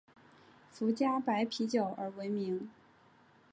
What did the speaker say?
福佳白啤酒而闻名。